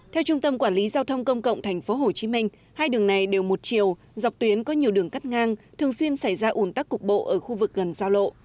theo trung tâm quản lý giao thông công cộng tp hcm hai đường này đều một chiều dọc tuyến có nhiều đường cắt ngang thường xuyên xảy ra ủn tắc cục bộ ở khu vực gần giao lộ